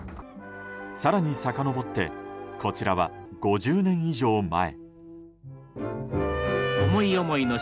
更にさかのぼってこちらは、５０年以上前。